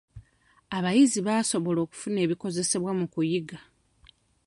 Abayizi baasobola okufuna ebikozesebwa mu kuyiga.